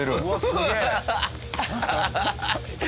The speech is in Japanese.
すげえ！